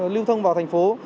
lưu thông vào thành phố